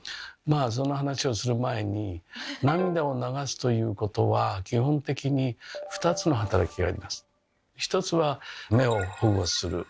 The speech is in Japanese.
まあその話をする前に涙を流すということは基本的に２つの働きがあります。